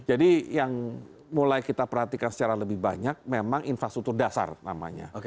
jadi yang mulai kita perhatikan secara lebih banyak memang infrastruktur dasar namanya